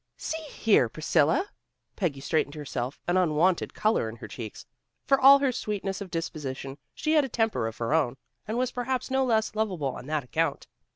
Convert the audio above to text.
"See here, Priscilla!" Peggy straightened herself, an unwonted color in her cheeks. For all her sweetness of disposition, she had a temper of her own, and was perhaps no less lovable on that account.